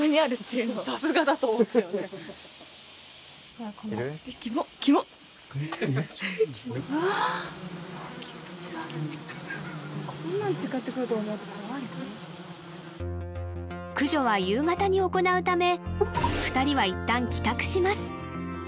うわ駆除は夕方に行うため２人はいったん帰宅します